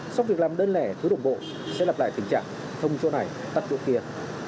sau việc làm đơn lẻ thứ đồng bộ sẽ lặp lại tình trạng thông chỗ này tắt chỗ kia